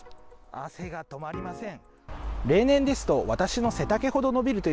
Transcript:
汗が止まりません。